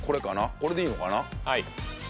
これでいいのかな？